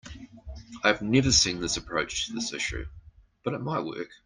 I have never seen this approach to this issue, but it might work.